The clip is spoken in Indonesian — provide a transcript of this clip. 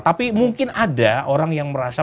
tapi mungkin ada orang yang merasa